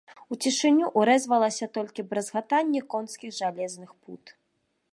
У цішыню ўрэзвалася толькі бразгатанне конскіх жалезных пут.